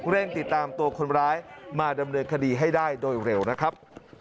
ติดตามตัวคนร้ายมาดำเนินคดีให้ได้โดยเร็วนะครับ